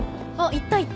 行った行った！